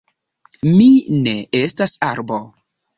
Mi ne estas arbo.